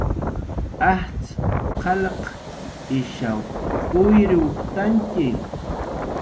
Ajtz' qalq ishaw kuyriwktantxi